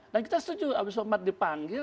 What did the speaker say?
dan kita setuju abdul somad dipanggil